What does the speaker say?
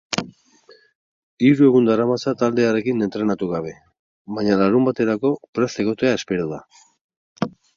Hiru egun daramatza taldearekin entrenatu gabe, baina larunbaterako prest egotea espero da.